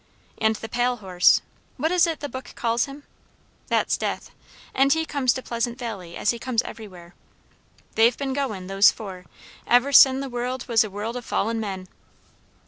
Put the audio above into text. And the pale horse what is it the book calls him? that's death; and he comes to Pleasant Valley as he comes everywhere. They've been goin', those four, ever sen the world was a world o' fallen men."